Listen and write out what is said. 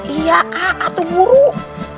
iya kak atu buruk